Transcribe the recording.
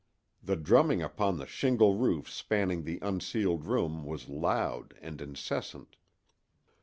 The drumming upon the shingle roof spanning the unceiled room was loud and incessant.